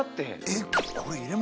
えっ？